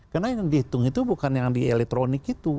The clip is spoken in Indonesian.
karena yang dihitung itu bukan yang di elektronik itu